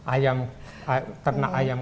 ayam ternak ayam